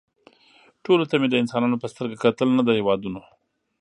ټولو ته مې د انسانانو په سترګه کتل نه د هېوادونو